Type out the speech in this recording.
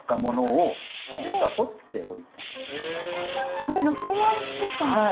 これロケ用に作ったんですか。